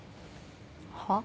はっ？